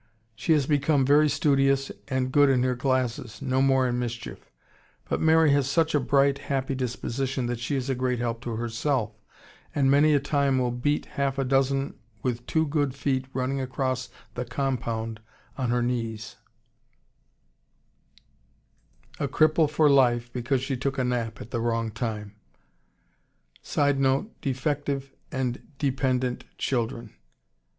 She has become very studious and good in her classes, no more in mischief. But Mary has such a bright, happy disposition that she is a great help to herself, and many a time will beat half a dozen with two good feet running across the compound on her knees. [Illustration: CHINESE MARY A Cripple for life, because she took a nap at the wrong time] [Sidenote: Defective and dependent children.